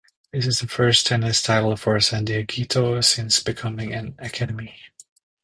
This is the first tennis title for San Dieguito since becoming an Academy.